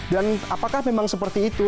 dan apakah memang seperti itu